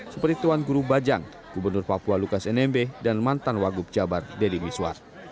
seperti tuan guru bajang gubernur papua lukas nmb dan mantan wagub jabar deddy miswar